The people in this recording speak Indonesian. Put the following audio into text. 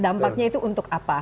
dampaknya itu untuk apa